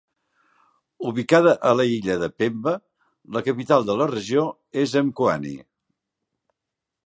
Ubicada a l'illa de Pemba, la capital de la regió es Mkoani.